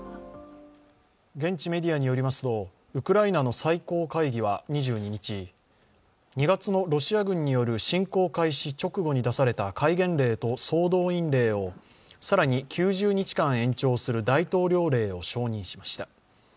現地メディアによりますと、ウクライナの最高会議は２２日、２月のロシア軍による侵攻開始直後に出された戒厳令と総動員令を更に９０日間延長する大統領令を承認しました。